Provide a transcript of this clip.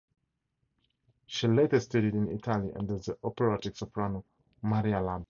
She later studied in Italy under the operatic soprano Maria Labia.